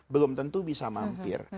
belum tentu bisa mampir